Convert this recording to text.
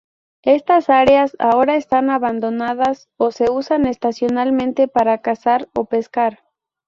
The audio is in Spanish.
Estas áreas ahora están abandonadas o se usan estacionalmente para cazar o pescar.